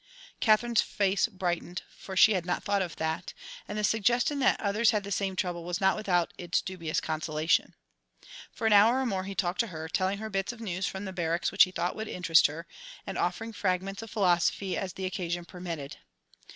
Katherine's face brightened, for she had not thought of that, and the suggestion that others had the same trouble was not without its dubious consolation. For an hour or more he talked to her, telling her bits of news from the barracks which he thought would interest her, and offering fragments of philosophy as the occasion permitted.